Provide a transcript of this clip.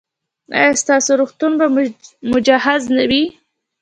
ایا ستاسو روغتون به مجهز وي؟